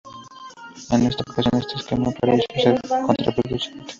En una ocasión, este esquema pareció ser contraproducente.